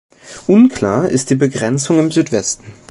Unklar ist die Begrenzung im Südwesten.